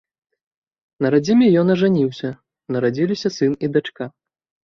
На радзіме ён ажаніўся, нарадзіліся сын і дачка.